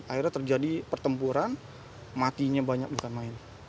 akhirnya terjadi pertempuran matinya banyak bukan main